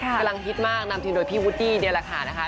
กำลังฮิตมากนำทีมโดยพี่วูตตี้เนี่ยแหละค่ะ